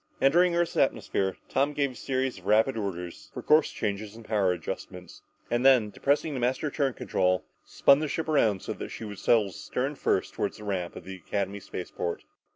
Entering Earth's atmosphere, Tom gave a series of rapid orders for course changes and power adjustments, and then, depressing the master turn control, spun the ship around so that she would settle stern first toward her ramp at the Academy spaceport.